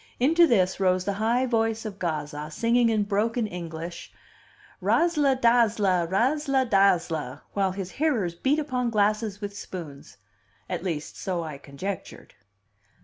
Into this rose the high voice of Gazza, singing in broken English, "Razzla dazzla, razzla dazzla," while his hearers beat upon glasses with spoons at least so I conjectured.